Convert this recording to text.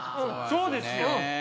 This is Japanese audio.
そうですよ！